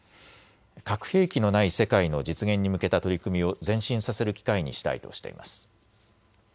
核兵器のない世界の実現に向けた取り組みを前進させる機会にしたいとしています。